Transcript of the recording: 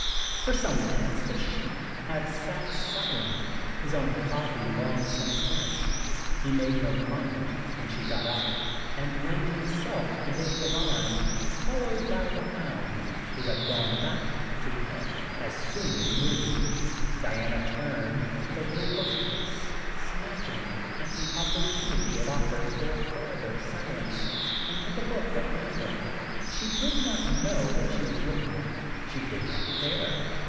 For some minutes the Sheik had sat silent, his own coffee long since finished. He made no comment when she got up, and went himself to the big divan, followed by the hound, who had gone back to him as soon as he moved. Diana turned to the little bookcase, snatching at the opportunity it offered for further silence, and took a book at random. She did not know what she was looking at, she did not care.